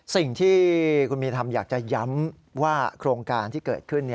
สิ่งที่คุณมีทำอยากจะย้ำว่าโครงการที่เกิดขึ้น